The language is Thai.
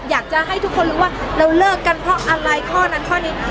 อยากจะให้ทุกคนรู้ว่าเราเลิกกันเพราะอะไรข้อนั้นข้อนี้